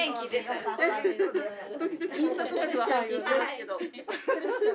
時々インスタとかでは拝見してますけど。